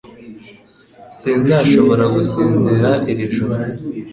Sinzashobora gusinzira iri joro